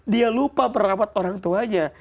dia lupa merawat orang tuanya